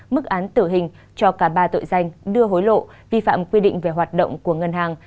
mức án tử hình cho cả ba tội danh đưa hối lộ vi phạm quy định về hoạt động của ngân hàng